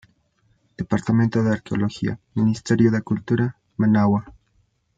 Departamento de Arqueología, Ministerio de Cultura, Managua.